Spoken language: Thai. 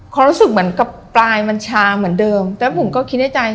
เขารู้สึกเหมือนกับปลายมันชาเหมือนเดิมแล้วผมก็คิดในใจ